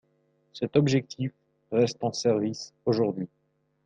Cet objectif reste en service aujourd'hui.